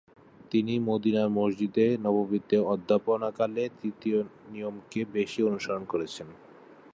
তিনি মদিনার মসজিদে নববীতে অধ্যাপনাকালে তৃতীয় নিয়মকে বেশি অনুসরণ করেছেন।